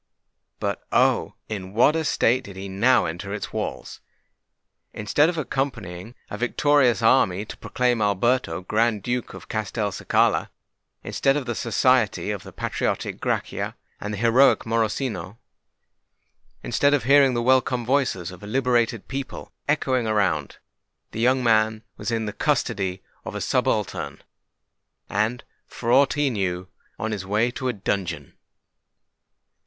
But, oh! in what a state did he now enter its walls! Instead of accompanying a victorious army to proclaim Alberto Grand Duke of Castelcicala,—instead of the society of the patriotic Grachia and the heroic Morosino,—instead of hearing the welcome voices of a liberated people echoing around,—the young man was in the custody of a subaltern, and, for aught he knew, on his way to a dungeon!